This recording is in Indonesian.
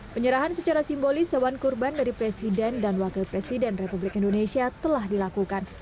penyerahan secara simbolis hewan kurban dari presiden dan wakil presiden republik indonesia telah dilakukan